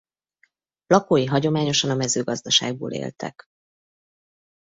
Lakói hagyományosan a mezőgazdaságból éltek.